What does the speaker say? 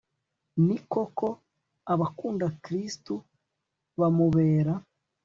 ni koko, abakunda kristu bamubera